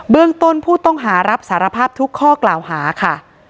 เรื่องต้นผู้ต้องหารับสารภาพทุกข้อกล่าวหาค่ะ